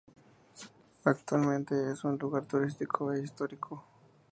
Actualmente es un lugar turístico e histórico.